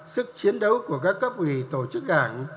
sức chiến đấu của các cấp ủy tổ chức đảng